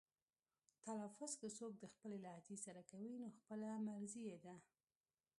تلفظ که څوک د خپلې لهجې سره کوي نو خپله مرزي یې ده.